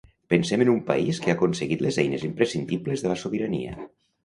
Pensem en un país que ha aconseguit les eines imprescindibles de la sobirania.